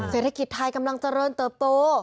เศรษฐกิจไทยกำลังเจริญเติบโต